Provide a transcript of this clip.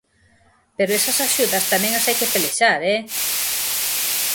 Pero esas axudas tamén as hai que pelexar, ¡eh!